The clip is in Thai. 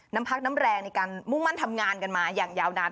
น้ำพักน้ำแรงในการมุ่งมั่นทำงานกันมาอย่างยาวนาน